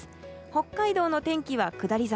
北海道の天気は下り坂。